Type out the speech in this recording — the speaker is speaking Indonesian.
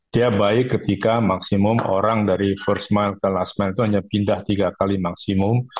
dia baik ketika maksimum orang dari first mile ke last mile itu hanya pindah tiga kali maksimum